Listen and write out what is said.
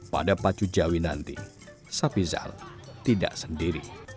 pada pacu jauh nanti sapi zal tidak sendiri